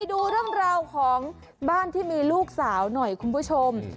ดูเรื่องราวของบ้านที่มีลูกสาวหน่อยคุณผู้ชม